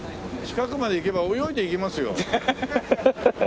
近くまで行けば泳いで行きますよ。